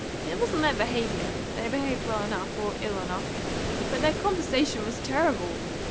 It wasn't their behaviour, they behaved well enough or ill enough; but their conversation was terrible.